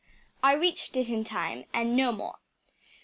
I reached it in time and no more.